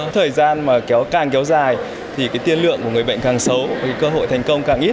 thời gian mà càng kéo dài thì tiên lượng của người bệnh càng xấu cơ hội thành công càng ít